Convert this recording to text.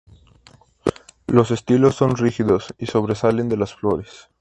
Los estilos son rígidos y sobresalen de las flores.